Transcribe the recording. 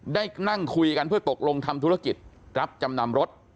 นั่งคุยกันเพื่อตกลงทำธุรกิจรับจำนำรถ